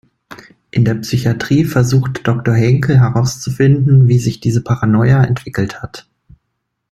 In der Psychiatrie versucht Doktor Henkel herauszufinden, wie sich diese Paranoia entwickelt hat.